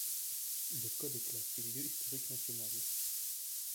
Le col est classé lieu historique national.